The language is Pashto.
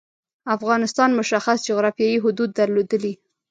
افغانستان مشخص جعرافیايی حدود درلودلي.